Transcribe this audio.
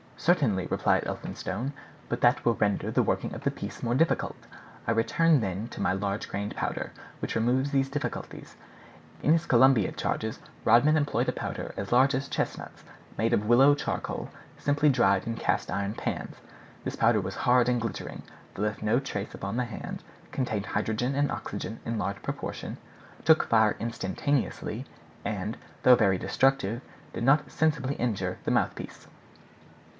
"Certainly," replied Elphinstone; "but that will render the working of the piece more difficult. I return then to my large grained powder, which removes those difficulties. In his Columbiad charges Rodman employed a powder as large as chestnuts, made of willow charcoal, simply dried in cast iron pans. This powder was hard and glittering, left no trace upon the hand, contained hydrogen and oxygen in large proportion, took fire instantaneously, and, though very destructive, did not sensibly injure the mouth piece."